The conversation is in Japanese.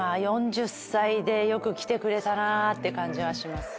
４０歳でよく来てくれたなって感じはします。